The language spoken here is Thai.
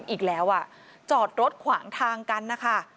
อีกแล้วอ่ะจอดรถขวางทางกันนะคะ